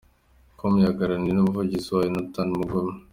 com yaganiriye n’umuvugizi wayo, Nathan Mugume.